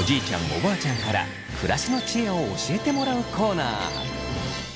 おばあちゃんから暮らしの知恵を教えてもらうコーナー。